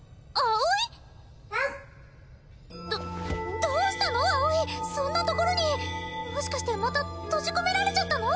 うんどどうしたの葵そんな所にもしかしてまた閉じ込められちゃったの？